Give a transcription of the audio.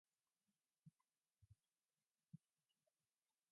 He was primary teacher.